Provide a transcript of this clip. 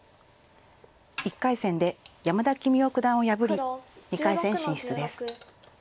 １回戦で山田規三生九段を破り２回戦進出です。